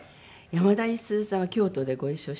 山田五十鈴さんは京都でご一緒して。